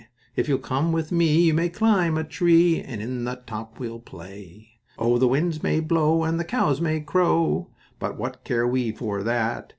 If you'll come with me you may climb a tree, And in the top we'll play. "Oh! the winds may blow and the cows may crow, But what care we for that?